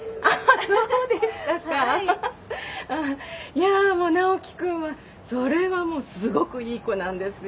いやもう直樹君はそれはもうすごくいい子なんですよ。